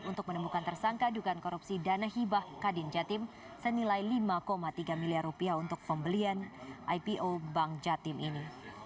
untuk menemukan tersangka dugaan korupsi dana hibah kadin jatim senilai lima tiga miliar rupiah untuk pembelian ipo bank jatim ini